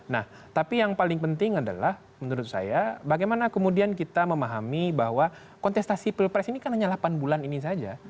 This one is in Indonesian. nah tapi yang paling penting adalah menurut saya bagaimana kemudian kita memahami bahwa kontestasi pilpres ini kan hanya delapan bulan ini saja